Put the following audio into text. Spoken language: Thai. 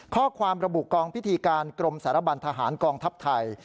ข้อความระบุกองพิธีการกรมสารบันทหารกองทัพไทย